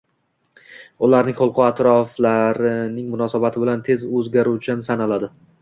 Ularning xulqi atrofdagilarning munosabati bilan tez o`zgaruvchan sanaladi